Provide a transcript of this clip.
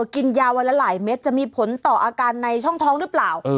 กินยาวันละหลายเม็ดจะมีผลต่ออาการในช่องท้องหรือเปล่า